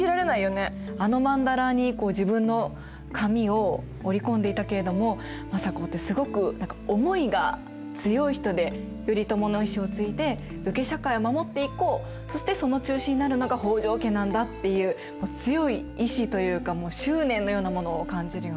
あのまんだらに自分の髪を織り込んでいたけれども政子ってすごく何か思いが強い人で頼朝の遺志を継いで武家社会を守っていこうそしてその中心になるのが北条家なんだっていう強い意志というかもう執念のようなものを感じるよね。